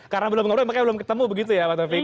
karena belum ngobrol makanya belum ketemu begitu ya pak tevik